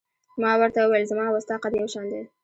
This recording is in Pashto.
ما ورته وویل: زما او ستا قد یو شان دی.